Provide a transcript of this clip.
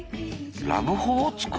ラブホを作る？